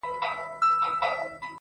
زما څه ليري له ما پاته سول خواږه ملګري-